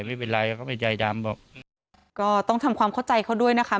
ไม่เป็นไรเขาไม่ใจดำบอกก็ต้องทำความเข้าใจเขาด้วยนะคะ